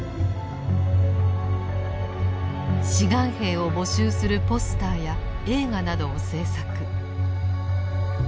志願兵を募集するポスターや映画などを制作。